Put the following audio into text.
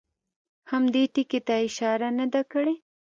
هم دې ټکي ته اشاره نه ده کړې.